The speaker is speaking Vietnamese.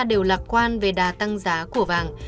đều lạc quan về đà tăng giá của vàng